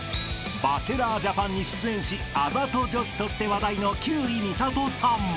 ［『バチェラー・ジャパン』に出演しあざと女子として話題の休井美郷さん］